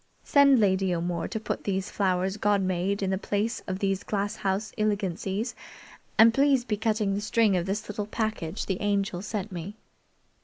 Send Lady O'More to put these flowers God made in the place of these glass house ilegancies, and please be cutting the string of this little package the Angel's sent me."